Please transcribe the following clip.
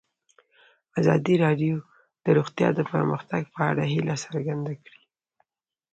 ازادي راډیو د روغتیا د پرمختګ په اړه هیله څرګنده کړې.